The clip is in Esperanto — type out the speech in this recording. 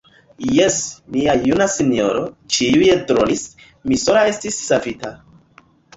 Jes, mia juna sinjoro, ĉiuj dronis; mi sola estis savita.